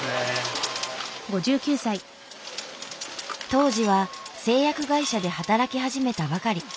当時は製薬会社で働き始めたばかり。